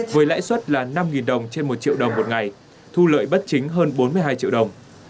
với lãi suất là năm đồng trên một triệu đồng một ngày thu lợi bất chính hơn bốn mươi hai triệu đồng